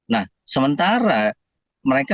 nah sementara mereka